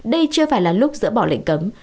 đây chưa phải là lúc dỡ bỏ lệnh cấm